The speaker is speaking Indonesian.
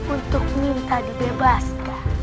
untuk minta dibebaskan